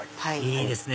いいですね